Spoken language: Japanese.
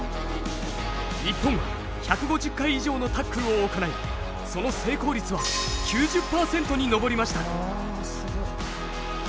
日本は１５０回以上のタックルを行いその成功率は９０％に上りました。